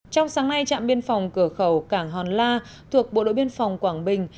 trong sáng nay trạm biên phòng cửa khẩu cảng hòn la thuộc bộ đội biên phòng quảng bình